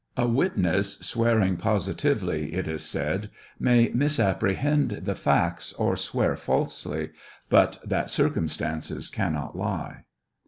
A witness swearing positively, it is said, may misapprehend the facts or swear falsely, but that circumstances cannot lie.